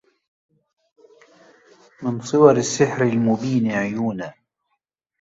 من صور السحر المبين عيونا